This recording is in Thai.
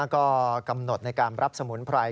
ก็กำหนดในการรับสมุนไพร